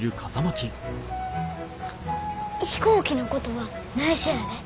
飛行機のことはないしょやで。